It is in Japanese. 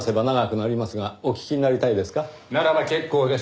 ならば結構です。